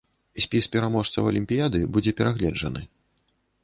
Спіс пераможцаў алімпіяды будзе перагледжаны.